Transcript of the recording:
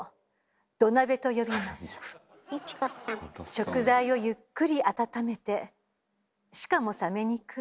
食材をゆっくり温めてしかも冷めにくい。